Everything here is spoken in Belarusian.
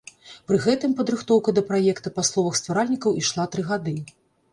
Пры гэтым падрыхтоўка да праекта па словах стваральнікаў ішла тры гады.